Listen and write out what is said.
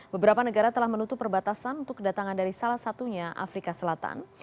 beberapa negara telah menutup perbatasan untuk kedatangan dari salah satunya afrika selatan